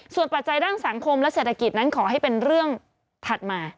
ส่วนปัจจัยด้านสังคมและเศรษฐกิจนั้นขอให้เป็นเรื่องถัดมา